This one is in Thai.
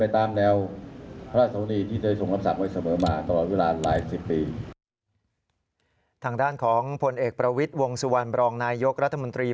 ทางด้านของผลเอกประวิทย์วงสุวรรณบรองนายยกรัฐมนตรี